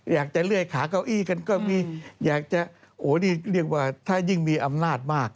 อยากจะเลื่อยขาเก้าอี้ก็มีถ้ายิ่งมีอำนาจมาก